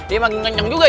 dia makin kenceng juga ya